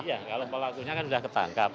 iya kalau pelakunya kan sudah ketangkap